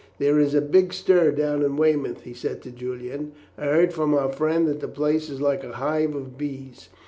"There is a big stir down in Weymouth," he said to Julian. "I heard from our friend that the place is like a hive of bees.